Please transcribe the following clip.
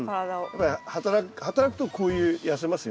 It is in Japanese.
やっぱり働くとこういう痩せますよ。